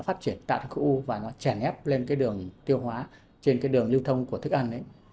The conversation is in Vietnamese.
thực quản sẽ tạo ra khối u và nó chèn ép lên đường tiêu hóa trên đường lưu thông của thức ăn